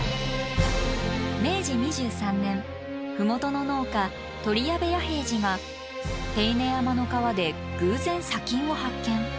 明治２３年麓の農家鳥谷部彌平治が手稲山の川で偶然砂金を発見。